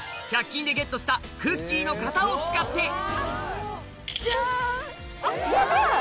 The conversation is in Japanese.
１００均でゲットしたクッキーの型を使ってジャン！